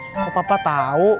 kok papa tau